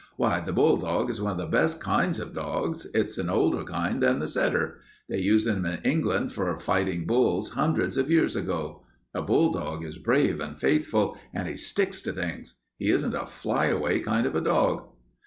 "Why, the bulldog is one of the best kinds of dogs. It's an older kind than the setter. They used them in England for fighting bulls hundreds of years ago. A bulldog is brave and faithful, and he sticks to things. He isn't a flyaway kind of a dog."